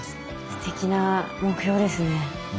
すてきな目標ですね。